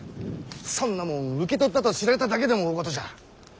そんなもん受け取ったと知られただけでも大ごとじゃ。